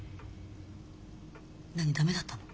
何駄目だったの？